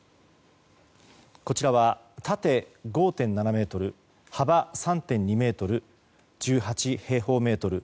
こちらは縦５．７ｍ幅３．２ｍ、１８平方メートル。